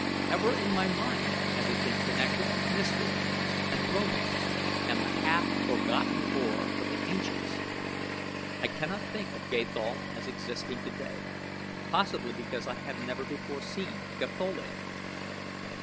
"Ever in my mind has it been connected with mystery and romance and the half forgotten lore of the ancients. I cannot think of Gathol as existing today, possibly because I have never before seen a Gatholian."